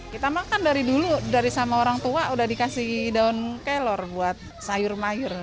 kita makan dari dulu sama orang tua udah dikasih daun kelor buat sayur mayur